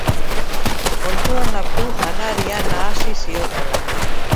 Kontuan hartu janaria nahasi ziotela.